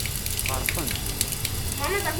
Feṛqen-t.